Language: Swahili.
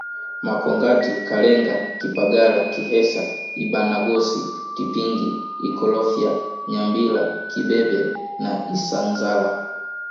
Makongati Kalenga kipagala kihesa Ibanagosi Tipingi Ikolofya Nyambila kibebe na Isanzala